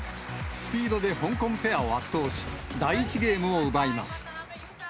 スピードで香港ペアを圧倒し、第１ゲームを奪います。